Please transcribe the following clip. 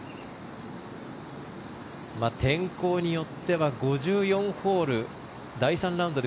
天候によっては５４ホール第３ラウンドで